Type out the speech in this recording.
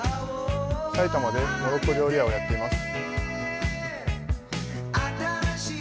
埼玉でモロッコ料理屋をやっています。